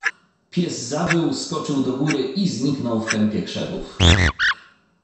"Pies zawył, skoczył do góry i zniknął w kępie krzewów."